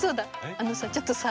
あのさちょっとさ